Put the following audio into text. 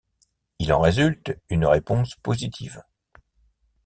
Il en résulte une réponse positive.